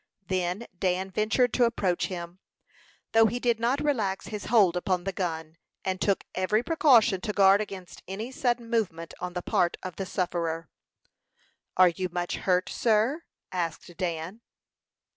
Then Dan ventured to approach him, though he did not relax his hold upon the gun, and took every precaution to guard against any sudden movement on the part of the sufferer. "Are you much hurt, sir?" asked Dan.